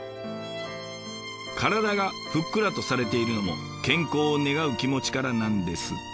体がふっくらとされているのも健康を願う気持ちからなんですって。